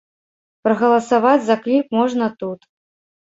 Прагаласаваць за кліп можна тут.